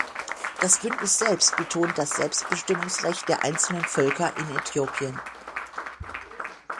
Das Bündnis selbst betont das Selbstbestimmungsrecht der einzelnen Völker in Äthiopien.